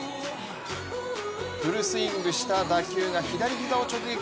フルスイングした打球が左膝を直撃。